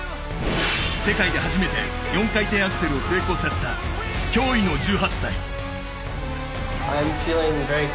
世界で初めて４回転アクセルを成功させた驚異の１８歳。